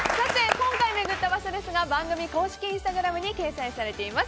今回回った場所ですが番組公式インスタグラムに掲載されています。